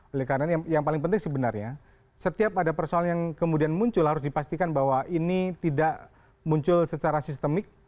oleh karena yang paling penting sebenarnya setiap ada persoalan yang kemudian muncul harus dipastikan bahwa ini tidak muncul secara sistemik